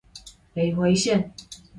北迴線